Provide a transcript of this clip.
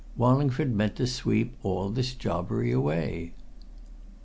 Wallingford meant to sweep all this jobbery clean away!"